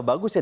ya bagus ya